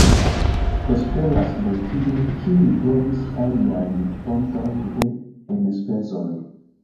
Prosperas nur tiuj, kiuj trovis aliajn fontojn de enspezoj.